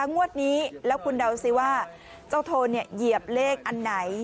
งวดนี้แล้วคุณเดาสิว่าเจ้าโทนเหยียบเลขอันไหน